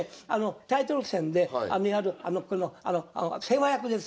タイトル戦でやる世話役ですよ。